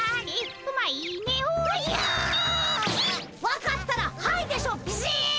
分かったら「はい」でしょビシッ！